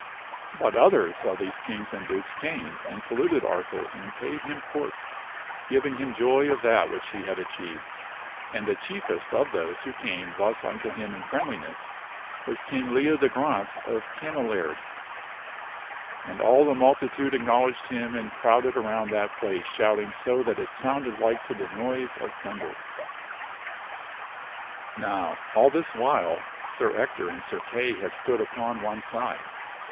But others of these kings and dukes came and saluted Arthur and paid Certain kin s k* m court, giving him joy of that which he had achieved ; and and dukes ac the chiefest of those who came thus unto him in friendliness cept Arthur. wa King> Lcodegrance of Cameliard. And all the multitude acknowledged him and crowded around that place shouting so that it sounded like to the noise of thunder. Now all this while Sir Ector and Sir Kay had stood upon one side.